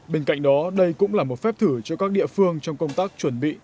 bên cạnh đó đây cũng là một phép thử cho các địa phương trong công tác chuẩn bị